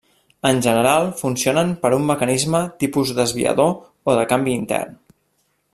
En general, funcionen per un mecanisme tipus desviador o de canvi intern.